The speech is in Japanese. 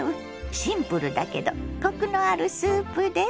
シンプルだけどコクのあるスープです。